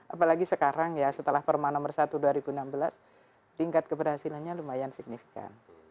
apalagi sekarang ya setelah perma nomor satu dua ribu enam belas tingkat keberhasilannya lumayan signifikan